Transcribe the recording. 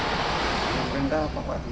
yang merintah pak wahyu